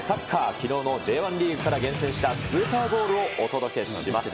きのうのＪ１リーグから厳選したスーパーゴールをお届けします。